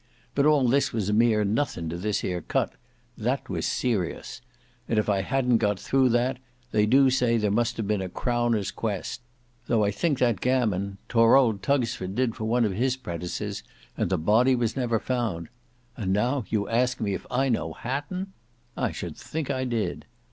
But all this was a mere nothin to this here cut; that was serous; and if I hadn't got thro' that they do say there must have been a crowner's quest; though I think that gammon, tor old Tugsford did for one of his prentices, and the body was never found. And now you ask me if I know Hatton? I should think I did!"